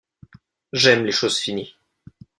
J’aime les choses finies.